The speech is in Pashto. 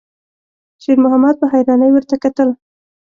شېرمحمد په حيرانۍ ورته کتل.